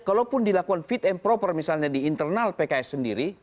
kalaupun dilakukan fit and proper misalnya di internal pks sendiri